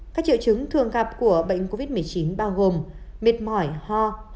các triệu chứng thường gặp của bệnh covid một mươi chín bao gồm mệt mỏi ho ho sạch